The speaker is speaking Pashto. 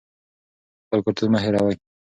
خپل کلتور مه هېروئ.